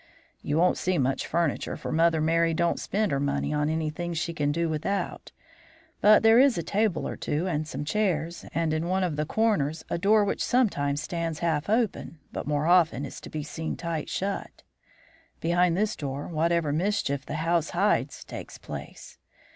You won't see much furniture, for Mother Merry don't spend her money on anything she can do without; but there is a table or two and some chairs, and in one of the corners a door which sometimes stands half open, but more often is to be seen tight shut. Behind this door whatever mischief the house hides takes place.